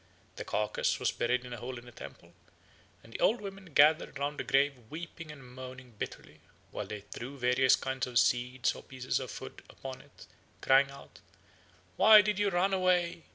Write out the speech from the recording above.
_ The carcase was buried in a hole in the temple, and the old women gathered round the grave weeping and moaning bitterly, while they threw various kinds of seeds or pieces of food on it, crying out, "Why did you run away?